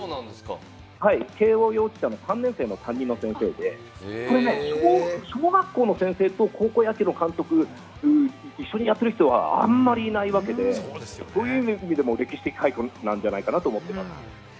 慶應幼稚舎の３年生の担任で、小学校の担任と高校野球の監督を一緒にやってる人はあんまりいないわけで、歴史的快挙なんじゃないかなと思います。